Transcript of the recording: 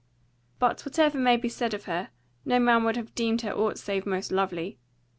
But whatever may be said of her, no man would have deemed her aught save most lovely.